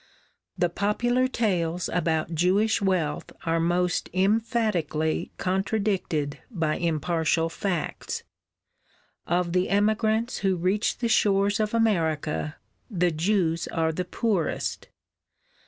The popular tales about Jewish wealth are most emphatically contradicted by impartial facts. Of the emigrants who reach the shores of America the Jews are the poorest.